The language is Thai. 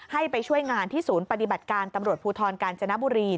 ไปช่วยงานที่ศูนย์ปฏิบัติการตำรวจภูทรกาญจนบุรี